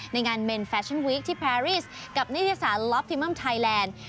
ในงานเมนแฟชั่นวีคที่แพรรีสกับนิตยสารล็อปพิมัมไทยแลนด์